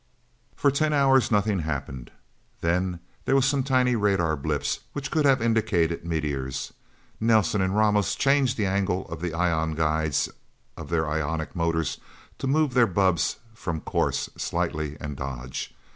For ten hours, nothing else happened. Then there were some tiny radar blips, which could have indicated meteors. Nelsen and Ramos changed the angle of the ion guides of their ionic motors to move their bubbs from course, slightly, and dodge.